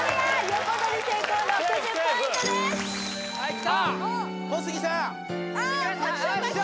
横取り成功６０ポイントですはいきたいけますか？